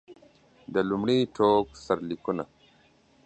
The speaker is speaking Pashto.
د لومړي ټوک سرلیکونه.